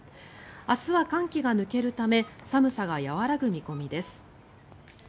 明日は寒気が抜けるため寒さが和らぐ見込みです。